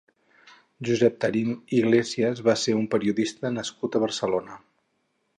Josep Tarín Iglesias va ser un periodista nascut a Barcelona.